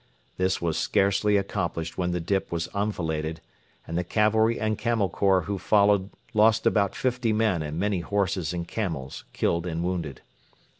This was scarcely accomplished when the dip was enfiladed, and the cavalry and Camel Corps who followed lost about fifty men and many horses and camels killed and wounded.